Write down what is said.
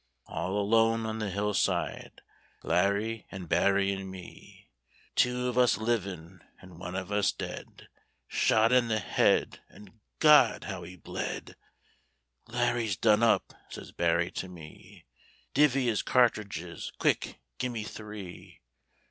All alone on the hillside Larry an' Barry an' me; Two of us livin' and one of us dead Shot in the head, and God! how he bled! "Larry's done up," sez Barry to me; "Divvy his cartridges! Quick! gimme three!"